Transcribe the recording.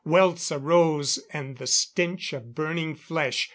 Welts arose, and the stench of burning flesh.